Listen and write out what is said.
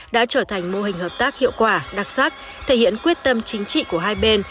đã trở thành mô hình hợp tác hiệu quả đặc sắc thể hiện quyết tâm chính trị của hai bên